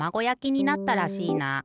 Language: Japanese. やきになったらしいな。